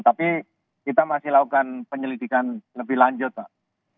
tapi kita masih lakukan penyelidikan lebih lanjut pak